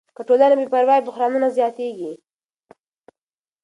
که ټولنه بې پروا وي، بحرانونه زیاتېږي.